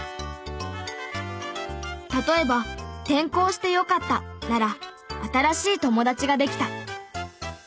例えば「転校してよかった」なら新しい友達ができた。